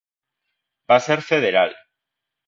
Va ser federal.